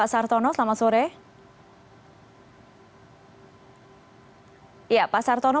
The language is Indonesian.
selamat sore pak sartono